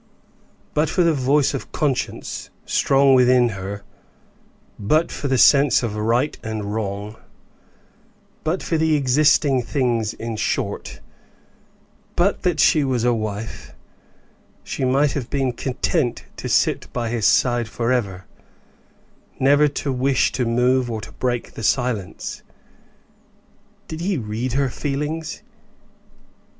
But for the voice of conscience, strong within her; but for the sense of right and wrong; but for the existing things; in short, but that she was a wife, she might have been content to sit by his side forever, never to wish to move or to break the silence. Did he read her feelings?